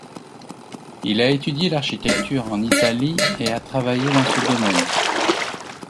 Il a étudié l'architecture en Italie et a travaillé dans ce domaine.